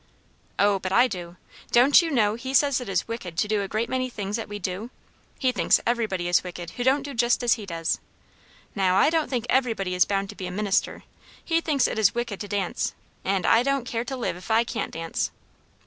"O, but I do. Don't you know he says it is wicked to do a great many things that we do? he thinks everybody is wicked who don't do just as he does. Now I don't think everybody is bound to be a minister. He thinks it is wicked to dance; and I don't care to live if I can't dance."